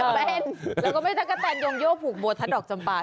แฟนแล้วก็ไม่ใช่ตั๊กกะแทนยงโยบผูกบัวทัดดอกจำปลาด้วย